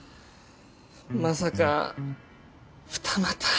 まさか二股？